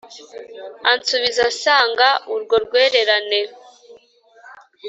ansubiza asanga urwo rwererane,